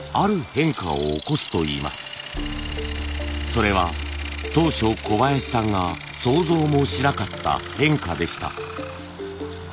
それは当初小林さんが想像もしなかった変化でした。